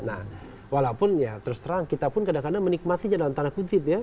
nah walaupun ya terus terang kita pun kadang kadang menikmatinya dalam tanda kutip ya